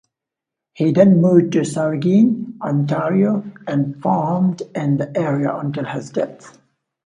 He then moved to Saugeen, Ontario and farmed in the area until his death.